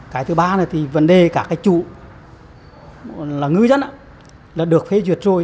cái thứ ba là thì vấn đề các cái chủ là ngư dân là được phê duyệt rồi